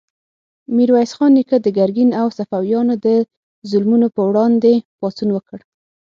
میرویس خان نیکه د ګرګین او صفویانو د ظلمونو په وړاندې پاڅون وکړ.